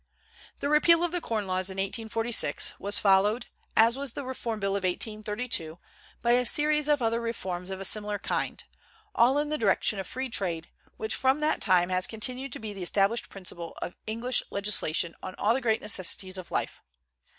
The repeal of the corn laws in 1846 was followed, as was the Reform Bill of 1832, by a series of other reforms of a similar kind, all in the direction of free trade, which from that time has continued to be the established principle of English legislation on all the great necessities of life.